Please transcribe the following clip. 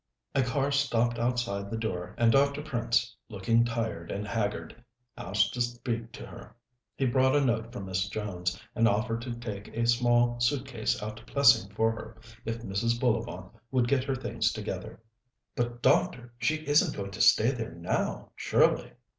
A car stopped outside the door, and Dr. Prince, looking tired and haggard, asked to speak to her. He brought a note from Miss Jones, and offered to take a small suit case out to Plessing for her, if Mrs. Bullivant would get her things together. "But, doctor, she isn't going to stay there now, surely?"